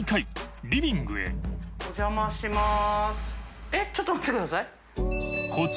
お邪魔します。